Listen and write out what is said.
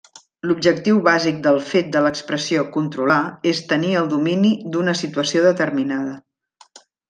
L'objectiu bàsic del fet de l'expressió 'controlar' és tenir el domini d'una situació determinada.